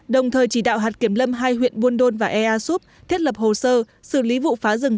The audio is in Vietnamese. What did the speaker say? đồng thời chỉ đạo hạt kiểm lâm hai huyện buôn đôn và ea súp thiết lập hồ sơ xử lý vụ phá rừng